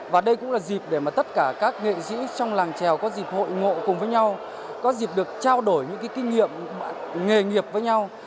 và đây cũng là dịp để tất cả các nghệ sĩ trong làng trèo có dịp hội ngộ cùng với nhau có dịp được trao đổi những kinh nghiệm nghề nghiệp với nhau